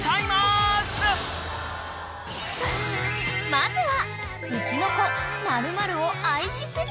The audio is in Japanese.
［まずは］